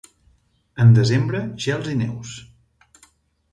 En desembre, gels i neus.